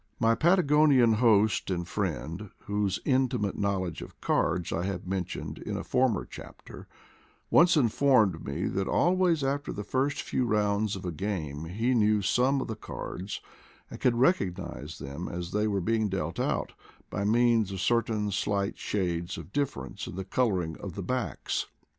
My Patagonian host and friend, whose intimate knowledge of cards I have mentioned in a former chapter, once informed me that always after the first few rounds of a game he knew some of the cards, and could recognize them as they were be ing dealt out, by means of certain slight shades of difference in the coloring of the backs.